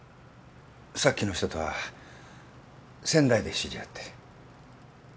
さっきの人とは仙台で知り合って。